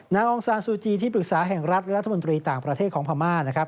นางองศาสุจีย์ที่ปรึกษาแห่งรัฐและรัฐมนตรีต่างประเทศของพม่า